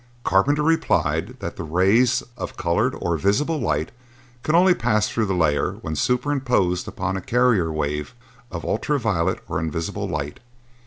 Carpenter replied that the rays of colored or visible light could only pass through the layer when superimposed upon a carrier wave of ultra violet or invisible light.